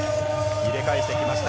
入れ返してきました。